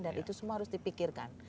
dan itu semua harus dipikirkan